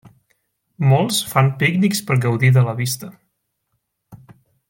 Molts fan pícnics per gaudir de la vista.